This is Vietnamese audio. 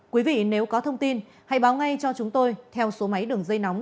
quý vị nếu có thông tin hãy báo ngay cho chúng tôi theo số máy đường dây nóng